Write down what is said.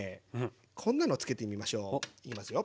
こんなのをつけてみましょう。いきますよ。